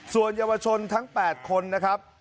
ส่วนเยาวชนทั้ง๘คนนะครับ